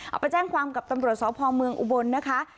เอาไปแจ้งความกับตำรวจสพเมืองอุบลนะคะ